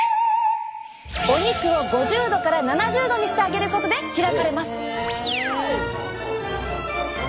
お肉を５０℃から７０℃にしてあげることで開かれます！